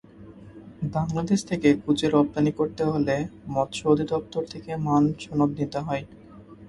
বাংলাদেশ থেকে কুঁচে রপ্তানি করতে হলে মৎস্য অধিদপ্তর থেকে মান সনদ নিতে হয়।